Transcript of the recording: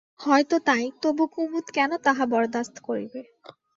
হয়তো তাই, তবু কুমুদ কেন তাহা বরদাস্ত করিবে?